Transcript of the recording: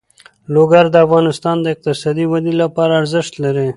لوگر د افغانستان د اقتصادي ودې لپاره ارزښت لري.